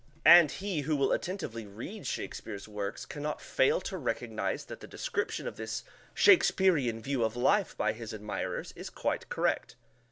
And he who will attentively read Shakespeare's works can not fail to recognize that the description of this Shakespearian view of life by his admirers is quite correct.